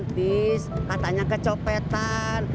nanti katanya kecopetan